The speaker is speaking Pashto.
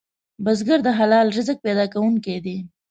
بزګر د حلال رزق پیدا کوونکی دی